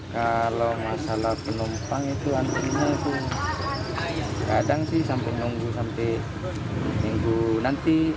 kalau masalah penumpang itu antrinya itu kadang sih sampai nunggu sampai minggu nanti